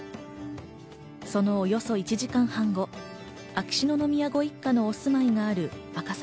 そのおよそ１時間半後、秋篠宮ご一家のお住まいがある赤坂